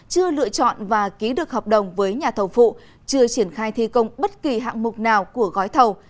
chưa lựa chọn và ký được hợp đồng với nhà thầu phụ chưa triển khai thi công bất kỳ hạng mục nào của gói thầu